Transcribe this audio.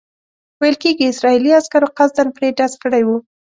ویل کېږي اسرائیلي عسکرو قصداً پرې ډز کړی وو.